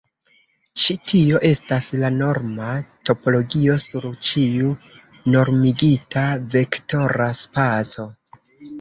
Ĉi tio estas la norma topologio sur ĉiu normigita vektora spaco.